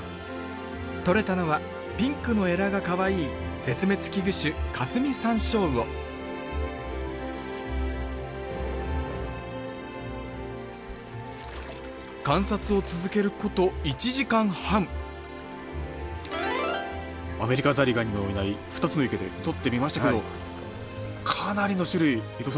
とれたのはピンクのエラがかわいい絶滅危惧種カスミサンショウウオアメリカザリガニのいない２つの池でとってみましたけどかなりの種類伊藤さんとれましたね。